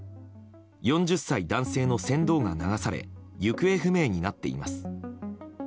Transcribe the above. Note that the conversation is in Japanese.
４０歳男性の船頭が流され行方不明になっています。